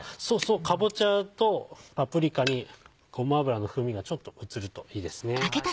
かぼちゃとパプリカにごま油の風味がちょっとうつるといいですね。